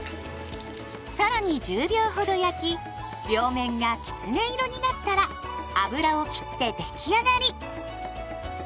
さらに１０秒ほど焼き両面がきつね色になったら油を切って出来上がり。